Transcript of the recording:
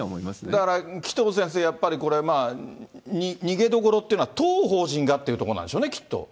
だから、紀藤先生、やっぱりこれ、逃げどころというのは、当法人がってところなんでしょうね、きっと。